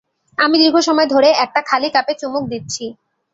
আমি দীর্ঘ সময় ধরে একটা খালি কাপে চুমুক দিচ্ছি।